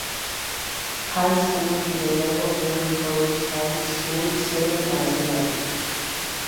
High School, y la Hidalgo Early College High School sirven a la ciudad.